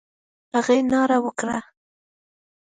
هغې ناره وکړه: